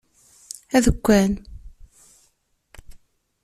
Adekkan.